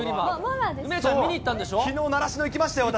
梅ちゃん、見に行ったんでしきのう、習志野行きましたよ、私。